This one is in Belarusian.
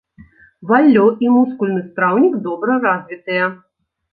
Валлё і мускульны страўнік добра развітыя.